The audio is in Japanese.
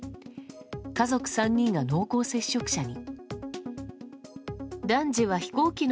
家族３人が濃厚接触者に。